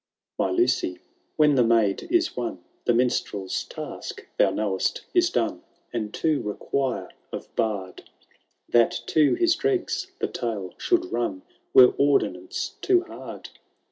I. My Lucy, when the ICald if won, The Minetreri taek, tbeu know*rt, it done ; And to require ^ bArd That to hie dregi the tale thould run, Were ordinance too hard.